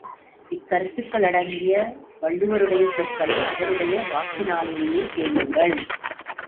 இக் கருத்துக்களடங்கிய வள்ளுவருடைய சொற்களை அவருடைய வாக்கினாலேயே கேளுங்கள்.